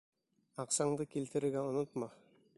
Аҡсаңды килтерергә онотма.